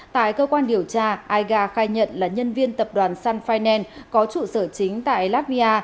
tại cơ quan điều tra aiga khai nhận là nhân viên tập đoàn sun finance có trụ sở chính tại latvia